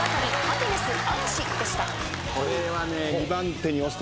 これはね。